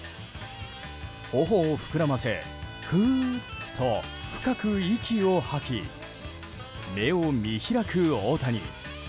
頬を膨らませフーッと深く息を吐き目を見開く大谷。